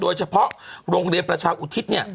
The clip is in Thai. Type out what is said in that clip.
โดยเฉพาะโรงเรียนประชาอุทิศเนี่ย